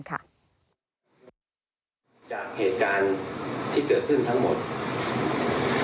จากเหตุการณ์ที่เกิดขึ้นทั้งหมด